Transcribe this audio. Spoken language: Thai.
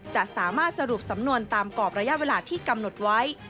จะสามารถสรุปสำนวนตามกรอบระยะเวลาที่กำหนดไว้